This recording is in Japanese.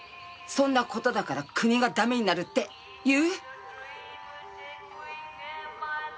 「そんな事だから国が駄目になる」って言う？